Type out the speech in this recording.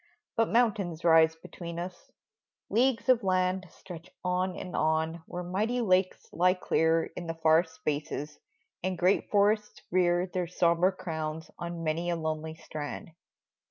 But mountains rise between us ; leagues of land Stretch on and on where mighty lakes lie clear In the far spaces, and great forests rear Their sombre crowns on many a lonely strand